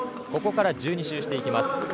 ここから１２周していきます。